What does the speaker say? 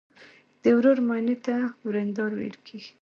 د ورور ماینې ته وریندار ویل کیږي.